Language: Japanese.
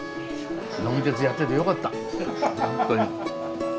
「呑み鉄」やっててよかったホントに。